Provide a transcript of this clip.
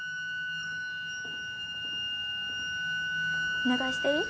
お願いしていい？